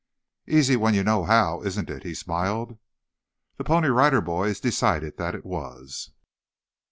"Easy when you know how, isn't it?" he smiled. The Pony Rider Boys decided that it was.